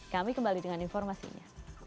kami kembali dengan informasinya